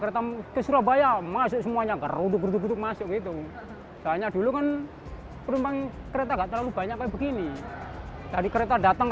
sini siap siap langsung masuk sudah mana yang dapat tempat duluan yaitu yang berhak